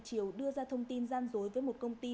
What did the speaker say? triều đưa ra thông tin gian dối với một công ty